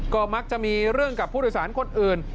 ก็มักจะมีเรื่องกับผู้โดยสารคนอื่น